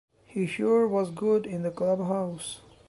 He sure was good in the clubhouse.